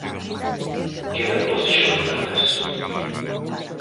Quedan doce xornadas.